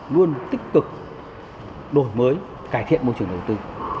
luôn tích cực đổi mới cải thiện môi trường đầu tư